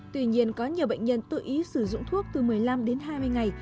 tuy nhiên có nhiều bệnh nhân tự ý sử dụng thuốc từ một mươi năm đến hai mươi ngày